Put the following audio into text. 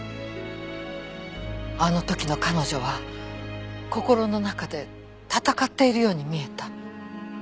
あの時の彼女は心の中で戦っているように見えた。